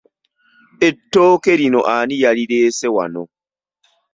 Ettooke lino ani yalireese wano?